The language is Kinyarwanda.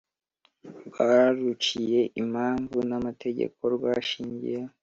Rwaruciye impamvu n amategeko rwashingiyeho